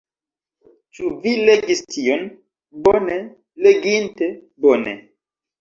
Ĉu vi legis tion? Bone? Leginte? Bone.